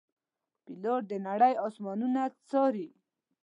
پیلوټ د نړۍ آسمانونه څاري.